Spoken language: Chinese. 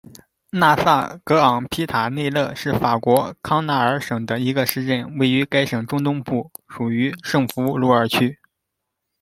讷萨格昂皮塔内勒是法国康塔尔省的一个市镇，位于该省中东部，属于圣弗卢尔区。